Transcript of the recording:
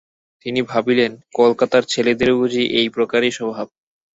তিনি ভাবিলেন, কলিকাতার ছেলেদের বুঝি এই প্রকারই স্বভাব।